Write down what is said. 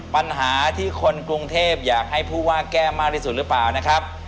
ปัญหาที่คนกรุงเทพอยากให้ผู้ว่าแก้มากที่สุดหรือเปล่านะครับ